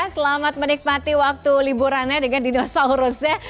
selamat menikmati waktu liburannya dengan dinosaurusnya